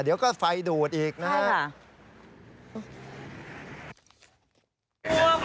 เดี๋ยวก็ไฟดูดอีกนะครับ